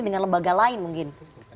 dengan lembaga lain mungkin